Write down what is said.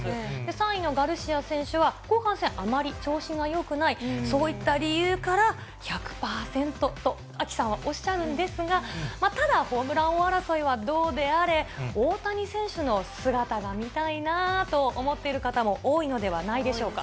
３位のガルシア選手は後半戦、あまり調子がよくない、そういった理由から、１００％とアキさんはおっしゃるんですが、ただホームラン王争いはどうであれ、大谷選手の姿が見たいなぁと思っている方も多いのではないでしょうか。